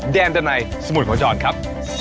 แดนดาไนสมุทรพจรครับ